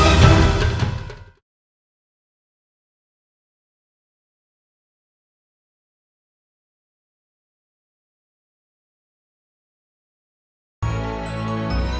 ada kondisi apa